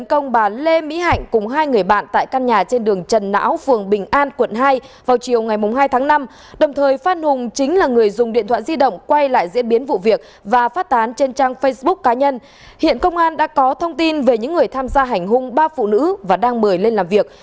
các bạn hãy đăng ký kênh để ủng hộ kênh của chúng mình nhé